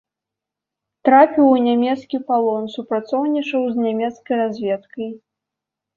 Трапіў у нямецкі палон, супрацоўнічаў з нямецкай разведкай.